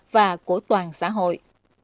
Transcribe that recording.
và của toàn xã hội